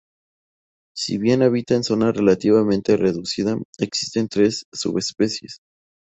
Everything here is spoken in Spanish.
Si bien habita una zona relativamente reducida, existen tres subespecies.